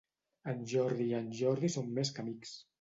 En Jordi i en Jordi són més que amics.